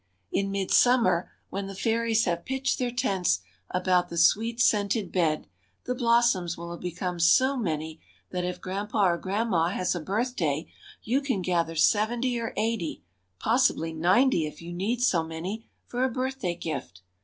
In midsummer, when the fairies have pitched their tents about the sweet scented bed, the blossoms will have become so many that if grandpa or grandma has a birthday, you can gather seventy or eighty (possibly ninety if you need so many) for a birthday gift.